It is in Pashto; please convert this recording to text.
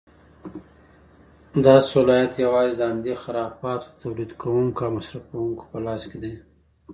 دا صلاحیت یوازې د همدې خرافاتو د تولیدوونکیو او مصرفوونکیو په لاس کې دی.